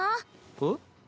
えっ？